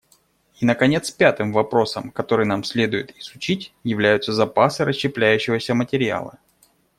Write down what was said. И наконец, пятым вопросом, который нам следует изучить, являются запасы расщепляющегося материала.